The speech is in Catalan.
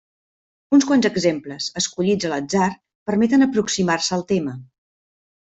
Uns quants exemples, escollits a l'atzar, permeten aproximar-se al tema.